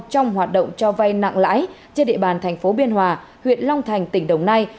trong hoạt động cho vay nặng lãi trên địa bàn tp biên hòa huyện long thành tỉnh đồng nai